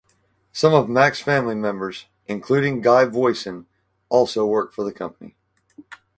Some of Mac's family members, including Guy Voisin, also work for the company.